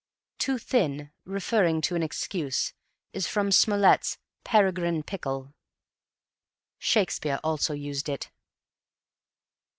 "Too thin," referring to an excuse, is from Smollett's "Peregrine Pickle." Shakespeare also used it.